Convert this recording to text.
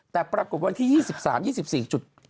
แต่ปรากฏวันที่๒๓๒๔จุด